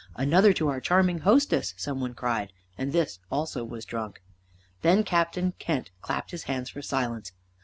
"Another to our charming hostess!" some one cried, and this also was drunk. Then Captain Kent clapped his hands for silence.